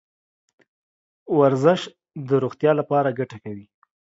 ورزش د روغتیا لپاره ګټه کوي .